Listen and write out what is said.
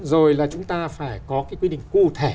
rồi là chúng ta phải có cái quy định cụ thể